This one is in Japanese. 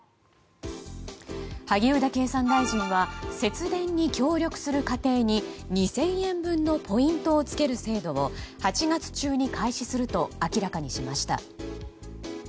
萩生田経産大臣は節電に協力する家庭に２０００円分のポイントをつける制度を８月中に開始すると明らかにしました。